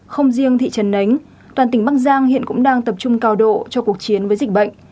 không riêng thị trấn nánh toàn tỉnh bắc giang hiện cũng đang tập trung cao độ cho cuộc chiến với dịch bệnh